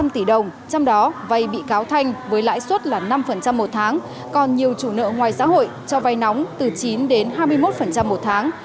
trong đó vay bị cáo thanh với lãi suất là năm một tháng còn nhiều chủ nợ ngoài xã hội cho vay nóng từ chín đến hai mươi một một tháng